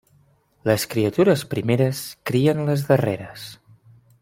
Les criatures primeres crien les darreres.